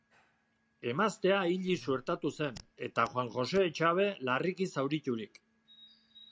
Emaztea hilik suertatu zen, eta Juan Jose Etxabe larriki zauriturik.